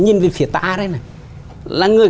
nhìn về phía ta đây nè là người